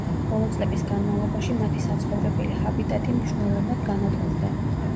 ბოლო წლების განმავლობაში მათი საცხოვრებელი ჰაბიტატი მნიშვნელოვნად განადგურდა.